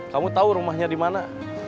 kamu tahu rumahnya di mana